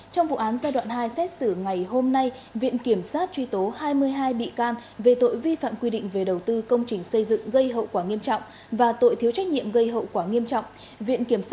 trong vụ án giai đoạn hai xét xử ngày hôm nay viện kiểm sát truy tố hai mươi hai bị can về tội vi phạm quy định về đầu tư công trình xây dựng gây hậu quả nghiêm trọng và tội thiếu trách nhiệm gây hậu quả nghiêm trọng